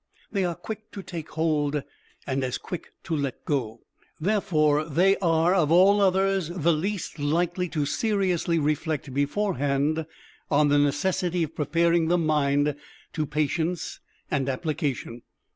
They are quick to take hold, and as quick to let go. Therefore, they are of all others the least likely to seriously reflect beforehand on the necessity of preparing the mind to patience and application.